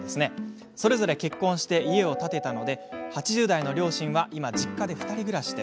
それぞれ結婚して家を建てたため８０代の両親は今実家で２人暮らし。